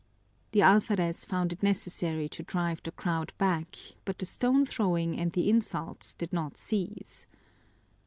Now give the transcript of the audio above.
The alferez found it necessary to drive the crowd back, but the stone throwing and the insults did not cease.